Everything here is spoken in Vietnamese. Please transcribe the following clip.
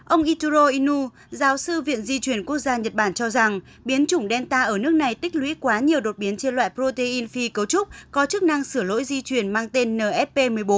ông ituro inu giáo sư viện di chuyển quốc gia nhật bản cho rằng biến chủng delta ở nước này tích lũy quá nhiều đột biến trên loại protein phi cấu trúc có chức năng sửa lỗi di chuyển mang tên nfp một mươi bốn